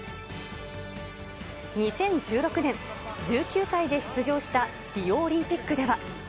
２０１６年、１９歳で出場したリオオリンピックでは。